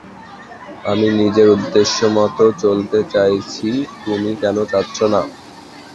আমি নিজের উদ্দেশ্যমতো চলতে চাইছি, তুমি কেন চাচ্ছো না?